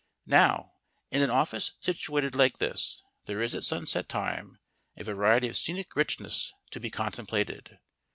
Now, in an office situated like this there is, at sunset time, a variety of scenic richness to be contemplated.